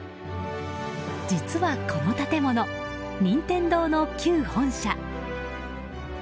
実は、この建物任天堂の旧本社。